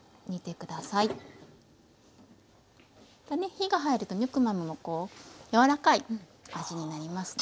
火が入るとヌクマムも柔らかい味になりますので。